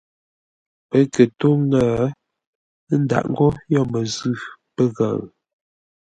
Pə́ kə̂ ntó ńŋə́, ə́ ndǎʼ ńgó yo məzʉ̂ pəghəʉ.